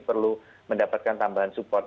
perlu mendapatkan tambahan support